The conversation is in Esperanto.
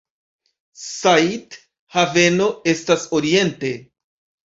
Said Haveno estas oriente.